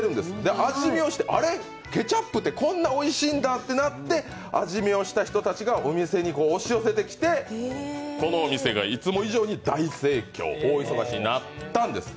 味見をして、あれ、ケチャップってこんなにおいしいんだとなって味見をした人たちがお店に押し寄せてきてこのお店がいつも以上に大盛況になったんです。